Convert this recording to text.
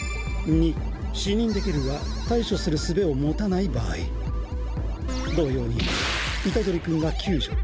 ２視認できるが対処する術を持たない場合同様に虎杖君が救助。